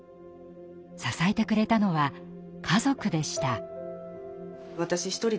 支えてくれたのは家族でした。